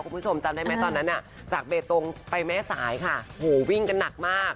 คุณผู้ชมจำได้ไหมตอนนั้นน่ะจากเบตงไปแม่สายค่ะโหวิ่งกันหนักมาก